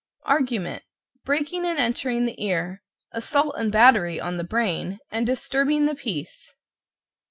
=ARGUMENT= Breaking and entering the ear, assault and battery on the brain and disturbing the peace.